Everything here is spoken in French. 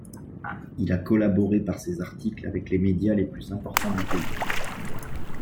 Il a collaboré par ses articles avec les médias les plus importants du pays.